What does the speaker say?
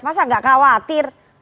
masa enggak khawatir